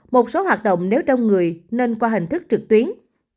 một số hoạt động nếu đông người nên qua hình thức trực tuyến